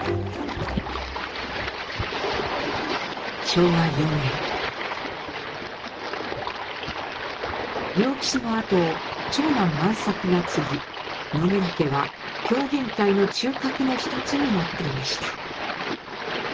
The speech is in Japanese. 昭和４年良吉の跡を長男万作が継ぎ野村家は狂言界の中核の一つになっていました。